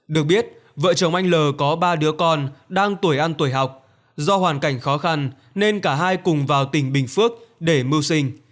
được biết vợ chồng anh l có ba đứa con đang tuổi ăn tuổi học do hoàn cảnh khó khăn nên cả hai cùng vào tỉnh bình phước để mưu sinh